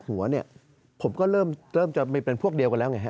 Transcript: หัวเนี่ยผมก็เริ่มจะเป็นพวกเดียวกันแล้วไงฮะ